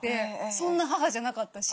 そんな母じゃなかったし。